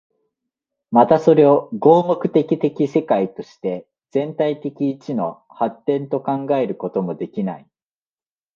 またそれを合目的的世界として全体的一の発展と考えることもできない。